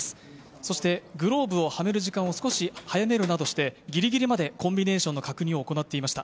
そしてグローブをはめる時間をいつもより少し早めるなどして、ぎりぎりまでコンビネーションの確認を行っていました。